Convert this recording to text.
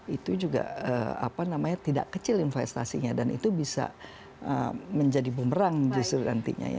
itu juga tidak kecil investasinya dan itu bisa menjadi bumerang justru nantinya ya